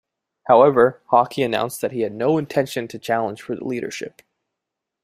However, Hockey announced that he had no intention to challenge for the leadership.